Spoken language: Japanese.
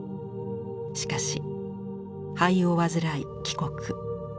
しかし肺を患い帰国。